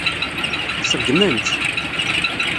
Ṣeggmen-tt.